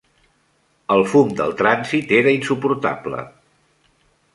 El fums del trànsit era insuportable.